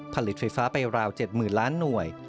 ผลิตไฟฟ้าไปราว๗๐๐ล้านหน่วย